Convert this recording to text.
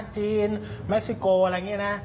จีนเม็กซิโกอะไรอย่างนี้นะ